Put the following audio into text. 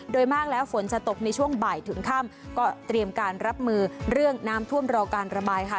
โดยมากแล้วฝนจะตกในช่วงบ่ายถึงค่ำก็เตรียมการรับมือเรื่องน้ำท่วมรอการระบายค่ะ